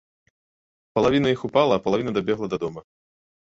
Палавіна іх упала, а палавіна дабегла да дома.